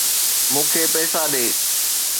مون کي پئسا ڏي.